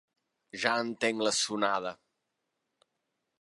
Ja entenc la sonada.